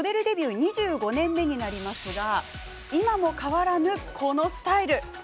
２５年目になりますが今も変わらぬ、このスタイル。